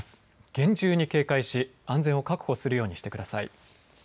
厳重に警戒し安全を確保するようにしてください。